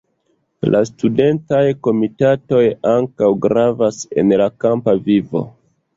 La studentaj komitatoj ankaŭ gravas en la kampa vivo.